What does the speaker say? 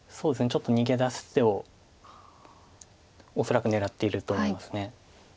ちょっと逃げ出す手を恐らく狙っていると思います。